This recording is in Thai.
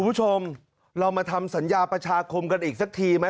คุณผู้ชมเรามาทำสัญญาประชาคมกันอีกสักทีไหม